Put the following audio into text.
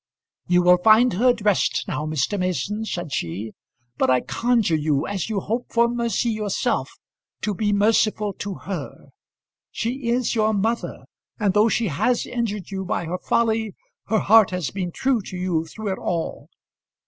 "You will find her dressed now, Mr. Mason," said she; "but I conjure you, as you hope for mercy yourself, to be merciful to her. She is your mother, and though she has injured you by her folly, her heart has been true to you through it all.